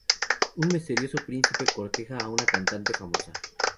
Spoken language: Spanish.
Un misterioso príncipe corteja a una cantante famosa.